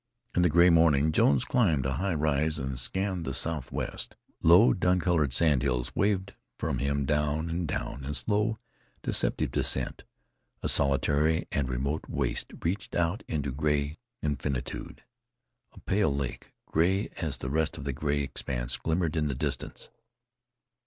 In the gray morning Jones climbed a high ride and scanned the southwest. Low dun colored sandhills waved from him down and down, in slow, deceptive descent. A solitary and remote waste reached out into gray infinitude. A pale lake, gray as the rest of that gray expanse, glimmered in the distance.